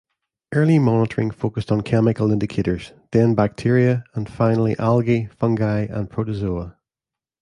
Early monitoring focussed on chemical indicators, then bacteria, and finally algae, fungi and protozoa.